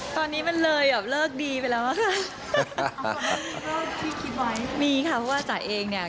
ตอนนี้มันเลยอ่ะเลิกดีไปแล้วหรือเปล่าค่ะพี่คิดไหมมีค่ะเพราะว่าตัวเองเนี่ย